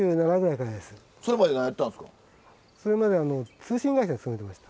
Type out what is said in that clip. それまでは通信会社に勤めてました。